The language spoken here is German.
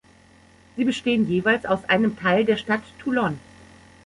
Sie bestehen jeweils aus einem Teil der Stadt Toulon.